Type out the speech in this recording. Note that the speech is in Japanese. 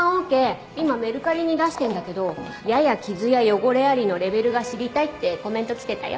今メルカリに出してるんだけど「やや傷や汚れあり」のレベルが知りたいってコメント来てたよ。